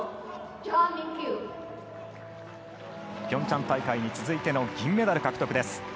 ピョンチャン大会に続いての銀メダル獲得です。